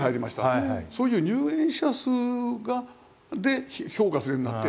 そういう入園者数で評価するようになって。